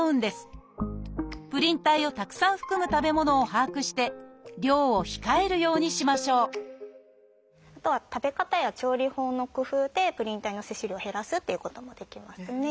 プリン体をたくさん含む食べ物を把握して量を控えるようにしましょうあとは食べ方や調理法の工夫でプリン体の摂取量を減らすっていうこともできますね。